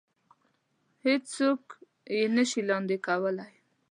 هېڅ څوک يې نه شي لاندې کولی.